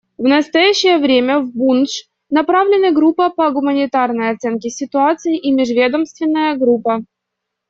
В настоящее время в Бундж направлены группа по гуманитарной оценке ситуации и межведомственная группа.